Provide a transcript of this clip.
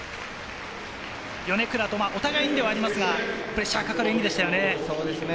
米倉とお互いにではありますがプレッシャーのかかる演技でしたよね。